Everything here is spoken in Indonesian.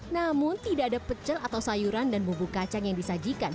namun tidak ada pecel atau sayuran dan bumbu kacang yang disajikan